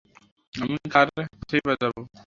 আমি কার কাছেই বা যাবো?